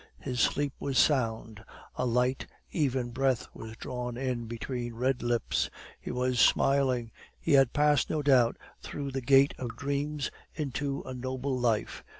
His sleep was sound; a light, even breath was drawn in between red lips; he was smiling he had passed no doubt through the gate of dreams into a noble life.